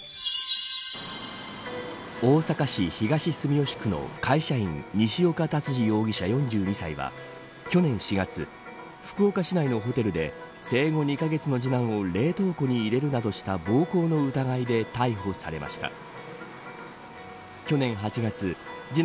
大阪市東住吉区の会社員西岡竜司容疑者、４２歳は去年４月福岡市内のホテルで生後２カ月の次男を冷凍庫に入れるなどした暴行の疑いで逮捕されました。